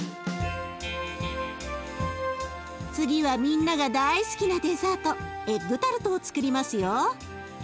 次はみんなが大好きなデザートエッグタルトをつくりますよ。